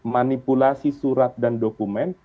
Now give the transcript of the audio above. manipulasi surat dan dokumen